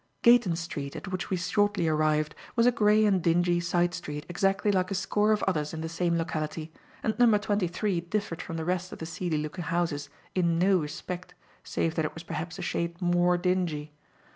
Gayton Street, at which we shortly arrived, was a grey and dingy side street exactly like a score of others in the same locality, and Number 23 differed from the rest of the seedy looking houses in no respect save that it was perhaps a shade more dingy.